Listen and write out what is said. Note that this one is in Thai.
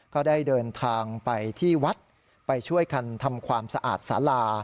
ก็ได้เดินทางไปที่วัดไปช่วยกันทำความสะอาดสารา